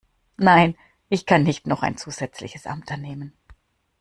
Nein, ich kann nicht noch ein zusätzliches Amt annehmen.